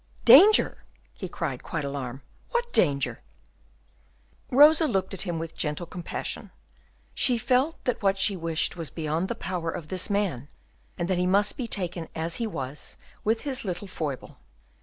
"Danger!" he cried, quite alarmed; "what danger?" Rosa looked at him with gentle compassion; she felt that what she wished was beyond the power of this man, and that he must be taken as he was, with his little foible.